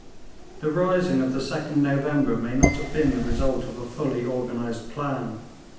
The rising of the 2d November may not have been the result of a fully organised plan.